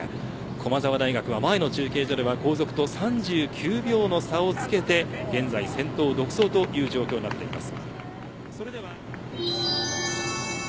駒澤大学は前の中継所では後続と３９秒の差をつけて現在、先頭独走という状況になっています。